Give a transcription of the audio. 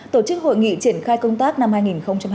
tổ chức hội nghị triển khai công tác năm hai nghìn hai mươi bốn